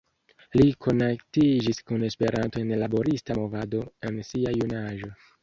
Li konatiĝis kun Esperanto en la laborista movado en sia juna aĝo.